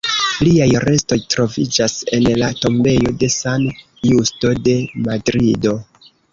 Liaj restoj troviĝas en la tombejo de San Justo de Madrido.